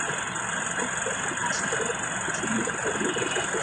আমি বললুম, কাসেম, আমি তোমাকে সন্দেহ করি নে।